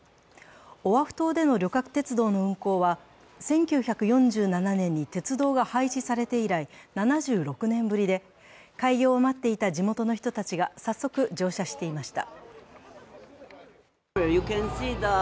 オアフ島での旅客鉄道の運行は１９４７年に鉄道が廃止されて以来７６年ぶりで開業を待っていた地元の人たちが早速、乗車していました。